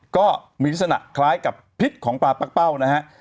ก็มีลักษณะคล้ายกับพิษของปลาปักเป้านะฮะ